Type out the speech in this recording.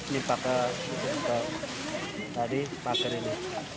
limpa ke tadi pager ini